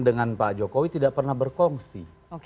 dengan pak jokowi tidak pernah berkongsi